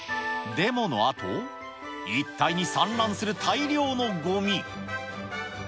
デモのあと、一帯に散乱する大量のごみ。